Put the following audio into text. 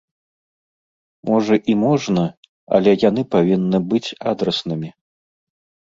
Можа і можна, але яны павінны быць адраснымі.